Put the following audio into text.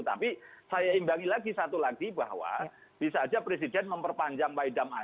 tapi saya imbangi lagi satu lagi bahwa bisa saja presiden memperpanjang pak idam azi